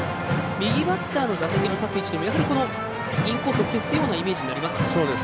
右バッターの打席の立つ位置はインコースを消すようなイメージになりますか。